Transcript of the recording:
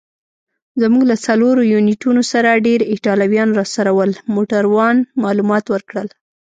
زموږ له څلورو یونیټونو سره ډېر ایټالویان راسره ول. موټروان معلومات ورکړل.